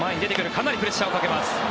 かなりプレッシャーをかけます。